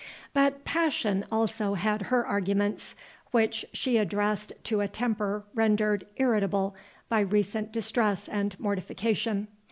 But Passion also had her arguments, which she addressed to a temper rendered irritable by recent distress and mortification.